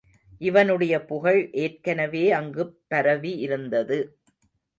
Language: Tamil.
இவனுடைய புகழ் ஏற்கனவே அங்குப் பரவி இருந்தது.